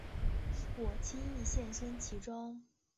我轻易陷身其中